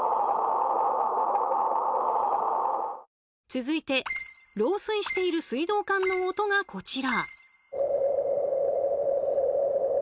続いて漏水している水道管の音がこちら。